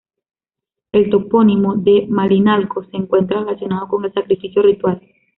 El topónimo de Malinalco se encuentra relacionado con el sacrificio ritual.